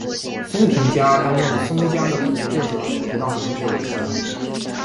松平家担任松江的统治者直到明治维新。